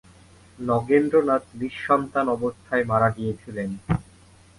নগেন্দ্রনাথ নিঃসন্তান অবস্থায় মারা গিয়েছিলেন।